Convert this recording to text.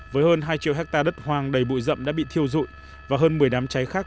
với hơn hai triệu hectare đất hoang đầy bụi rậm đã bị thiêu dụi và hơn một mươi đám cháy khác